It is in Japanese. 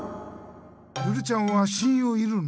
ルルちゃんは親友いるの？